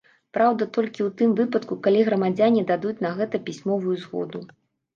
Праўда, толькі ў тым выпадку, калі грамадзяне дадуць на гэта пісьмовую згоду.